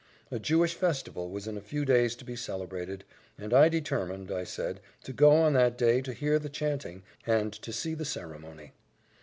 A Jewish festival was in a few days to be celebrated, and I determined, I said, to go on that day to hear the chanting, and to see the ceremony.